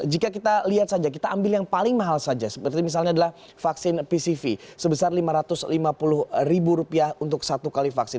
jika kita lihat saja kita ambil yang paling mahal saja seperti misalnya adalah vaksin pcv sebesar lima ratus lima puluh ribu rupiah untuk satu kali vaksin